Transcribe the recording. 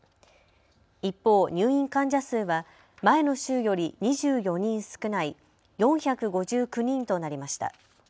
一方、入院患者数は前の週より２４人少ない４５９人となりました。